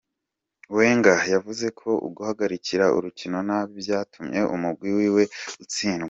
Wenger yavuze ko uguhagarikira urukino nabi vyatumye umugwi wiwe utsindwa.